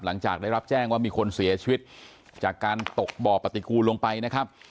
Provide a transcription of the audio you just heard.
หลังจากได้รับแจ้งว่ามีคนเสียชีวิตจากการตกบ่อปฏิกูลลงไปนะครับ